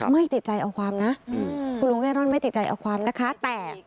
ไม่ติดใจเอาความนะคุณลุงเร่ร่อนไม่ติดใจเอาความนะคะแต่